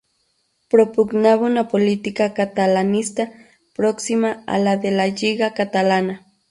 Propugnaba una política catalanista próxima a la de la Lliga Catalana.